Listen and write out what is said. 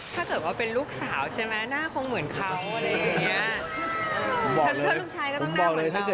ถ้าเกิดว่าเป็นลูกสาวใช่ไหมหน้าคงเหมือนเขาอะไรอย่างนี้